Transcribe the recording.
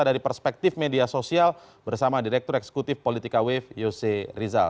dari perspektif media sosial bersama direktur eksekutif politika wave yose rizal